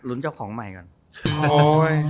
รุ้นเจ้าของใหม่ก่อน